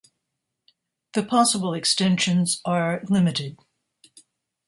The possible extensions are limited.